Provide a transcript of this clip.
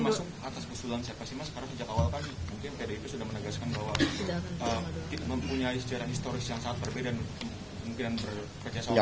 mas arso berarti perindo